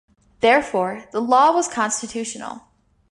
Therefore, the law was constitutional.